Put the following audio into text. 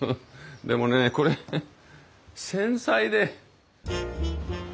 でもねこれ繊細で。